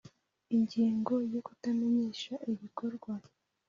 Ingingo ya kutamenyesha ibikorwa